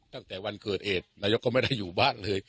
ตั้งแต่วันเกิดเหตุนายกก็ไม่ได้อยู่บ้านเลย